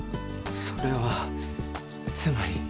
それはつまり。